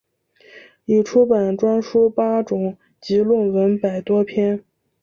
已出版专书八种及论文百多篇。